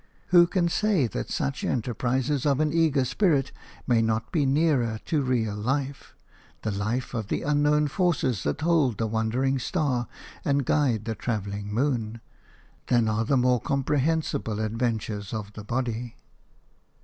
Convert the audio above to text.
Who can say that such enterprises of an eager spirit may not be nearer to real life – the life of the unknown forces that hold the wandering star and guide the travelling moon – than are the more comprehensible adventures of the body?